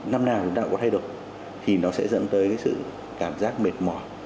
năm nào chúng ta cũng có thay đổi thì nó sẽ dẫn tới sự cảm giác mệt mỏi